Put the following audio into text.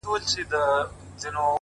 ځمه و لو صحراته;